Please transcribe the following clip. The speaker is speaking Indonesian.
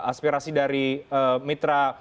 aspirasi dari mitra